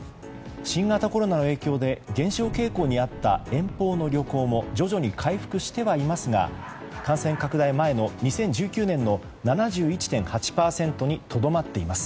新型コロナの影響で減少傾向にあった遠方の旅行も徐々に回復してはいますが感染拡大前の２０１９年の７１．８％にとどまっています。